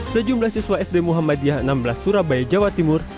sejumlah siswa sd muhammadiyah enam belas surabaya jawa timur